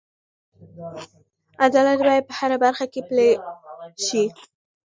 عدالت باید په هره برخه کې پلی شي.